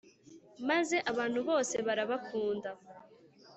maze abantu bose barabakunda.